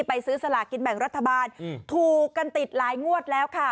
ซื้อสลากินแบ่งรัฐบาลถูกกันติดหลายงวดแล้วค่ะ